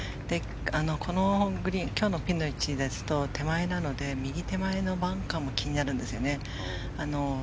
このグリーン、今日のピンの位置ですと右手前なので右手前のバンカーも気になるんです。